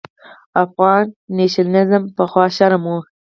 افغان نېشنلېزم پخوا شرم و.